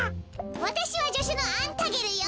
わたしはじょしゅのアンタゲルよ。